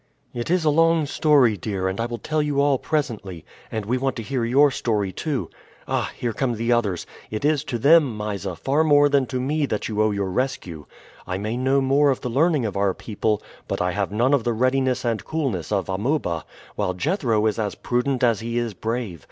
"It is a long story, dear, and I will tell you all presently; and we want to hear your story too. Ah! here come the others. It is to them, Mysa, far more than to me that you owe your rescue. I may know more of the learning of our people, but I have none of the readiness and coolness of Amuba, while Jethro is as prudent as he is brave.